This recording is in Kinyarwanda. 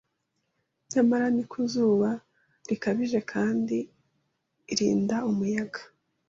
Nyamara ni ku zuba rikabije kandi irinda umuyaga